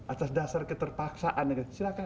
atas dasar keterpaksaan silahkan